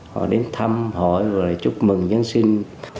họ đến thăm hỏi và lại chúc mừng giáng sinh